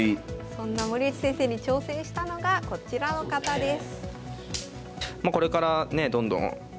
そんな森内先生に挑戦したのがこちらの方です。